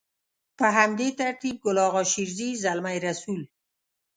په همدې ترتيب ګل اغا شېرزي، زلمي رسول.